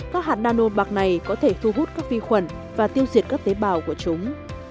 các hạt nano bạc này có thể thu hút các vi khuẩn và tiêu diệt các tế bào của chúng